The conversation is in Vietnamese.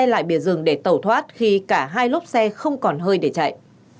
xe lại biển rừng để tẩu thoát khi cả hai lốp xe không còn hơi để chạy